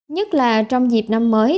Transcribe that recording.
nhất là trong dịp năm mới